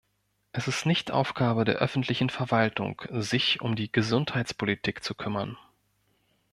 Es ist nicht Aufgabe der öffentlichen Verwaltung, sich um die Gesundheitspolitik zu kümmern.